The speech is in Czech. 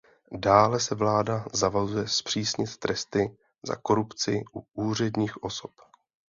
Dále se vláda zavazuje zpřísnit tresty za korupci u úředních osob.